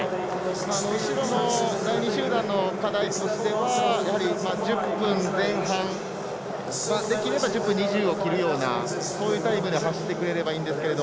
後ろの第２集団の課題としては１０分前半できれば１０分２０を切るようなそういうタイムで走ってくれればいいんですが。